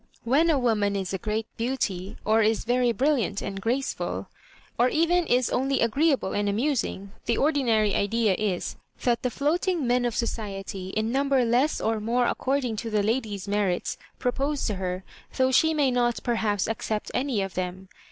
When a woman is a great beauty, or is v6ry brilliant and graceful, or even is only agreeable and amus ing^ tiie ordinary idea is, that the floating men of society, in number less or more according to the lady's merits, propose to her, though she may not perhaps accept any of them.